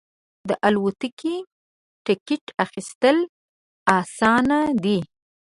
د الوتکې ټکټ اخیستل اسانه دی.